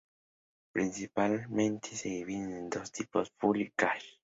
Principalmente se dividen en dos tipos: full y cash.